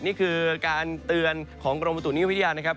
นี่คือการเตือนของกรมบุตุนิยมวิทยานะครับ